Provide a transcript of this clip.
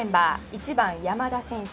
１番、山田選手。